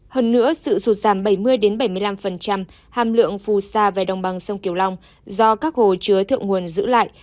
hơn nữa sự sụt giảm bảy mươi bảy mươi năm hàm lượng phù sa về đồng bằng sông kiều long do các hồ chứa thượng nguồn giữ lại